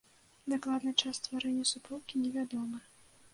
Дакладны час стварэння суполкі невядомы.